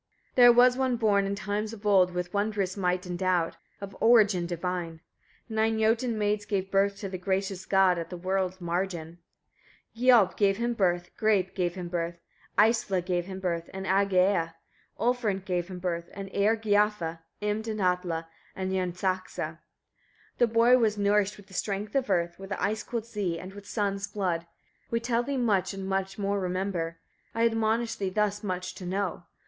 35. There was one born, in times of old, with wondrous might endowed, of origin divine: nine Jotun maids gave birth to the gracious god, at the world's margin. 36. Gialp gave him birth, Greip gave him birth, Eistla gave him birth, and Angeia; Ulfrun gave him birth, and Eyrgiafa, Imd and Atla, and Jarnsaxa. 37. The boy was nourished with the strength of earth, with the ice cold sea, and with Son's blood. We tell thee much, and more remember. I admonish thee thus much to know.